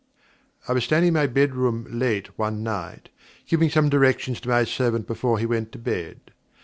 I was standing in my bedroom late one night, giving some directions to my servant before he went to bed.